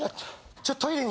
ちょっとトイレに。